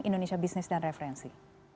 bumn indonesia business dan referensi